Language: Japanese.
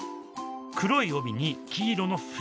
黒い帯に黄色の縁。